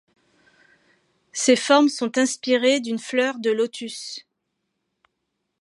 Ses formes sont inspirées d'une fleur de lotus.